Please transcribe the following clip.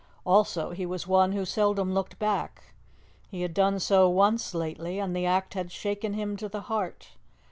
Also he was one who seldom looked back. He had done so once lately, and the act had shaken him to the heart.